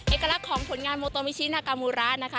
เอกลักษณ์ของผลงานโมโตมิชินากามูระนะคะ